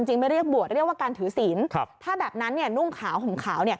ไม่เรียกบวชเรียกว่าการถือศิลป์ถ้าแบบนั้นนุ่งขาวห่มขาว